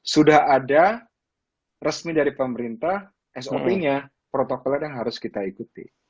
sudah ada resmi dari pemerintah sop nya protokolnya dan harus kita ikuti